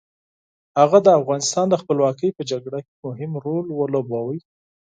هغه د افغانستان د خپلواکۍ په جګړه کې مهم رول ولوباوه.